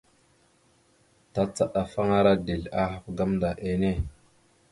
Tacaɗafaŋara dezl ahaf gamənda enne.